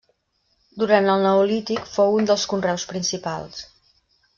Durant el neolític fou un dels conreus principals.